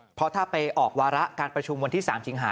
เพราะถ้าไปออกวาระการประชุมวันที่๓สิงหา